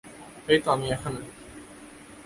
এই তো আমি এখানে।